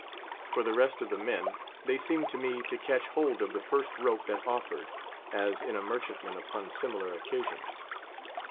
For the rest of the men, they seemed to me to catch hold of the first rope that offered, as in a merchant man upon similar occasions.